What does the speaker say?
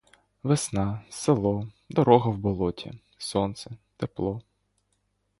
Весна, село, дорога в болоті, сонце, тепло.